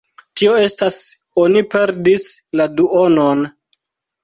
Tio estas oni perdis la duonon.